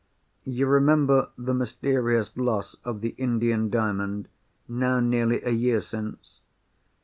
You remember the mysterious loss of the Indian Diamond, now nearly a year since?